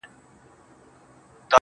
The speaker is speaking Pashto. زه خو یارانو نامعلوم آدرس ته ودرېدم .